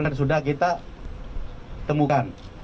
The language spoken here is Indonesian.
dan sudah kita temukan